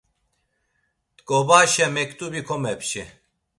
T̆ǩobaşe mektubi komepçi.